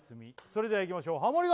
それではいきましょうハモリ